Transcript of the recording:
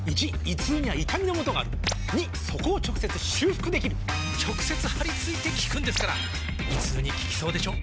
①胃痛には痛みのもとがある②そこを直接修復できる直接貼り付いて効くんですから胃痛に効きそうでしょ？